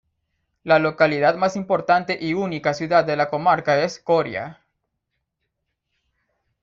La localidad más importante y única ciudad de la comarca es Coria.